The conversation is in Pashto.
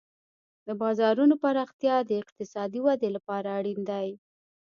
د بازارونو پراختیا د اقتصادي ودې لپاره اړین دی.